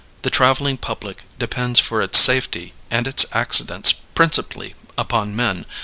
The traveling public depends for its safety and its accidents principally upon men.